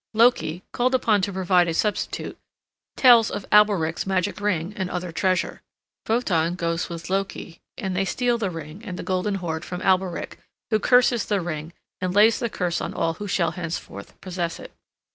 Loki, called upon to provide a substitute, tells of Alberich's magic ring and other treasure. Wotan goes with Loki, and they steal the ring and the golden hoard from Alberich, who curses the ring and lays the curse on all who shall henceforth possess it.